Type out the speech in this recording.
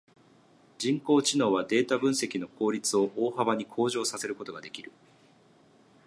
人工知能はデータ分析の効率を大幅に向上させることができる。